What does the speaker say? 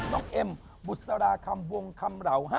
เอ็มบุษราคำวงคำเหล่า๕